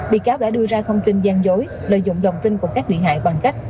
bị cáo đã đưa ra thông tin gian dối lợi dụng đồng tin của các bị hại bằng cách